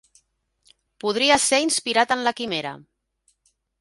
Podria ser inspirat en la quimera.